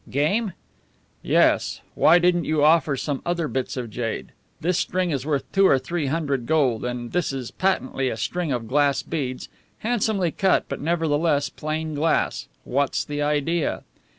"Game?" "Yes. Why didn't you offer some other bits of jade? This string is worth two or three hundred gold; and this is patently a string of glass beads, handsomely cut, but nevertheless plain glass. What's the idea?"